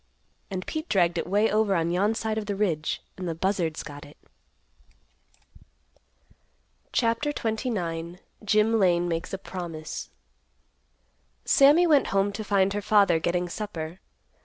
And Pete dragged it way over on yon side of the ridge and the buzzards got it." CHAPTER XXIX. JIM LANE MAKES A PROMISE. Sammy went home to find her father getting supper.